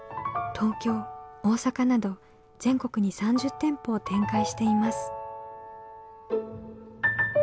東京大阪など全国に３０店舗を展開しています。